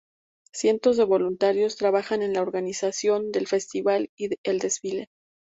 Cientos de voluntarios trabajan en la organización del festival y el desfile.